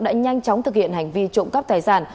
đã nhanh chóng thực hiện hành vi trộm cắp tài sản